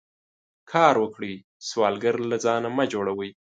کار وکړئ سوالګر له ځانه مه جوړوئ